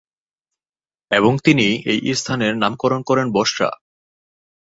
এবং তিনি এই স্থানের নামকরণ করেন বসরা।